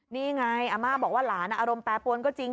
นี่ไงอาม่าบอกว่าหลานอารมณ์แปรปวนก็จริง